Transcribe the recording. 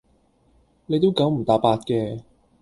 你都九唔搭八嘅